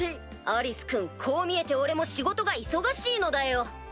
アリス君こう見えて俺も仕事が忙しいのだよ。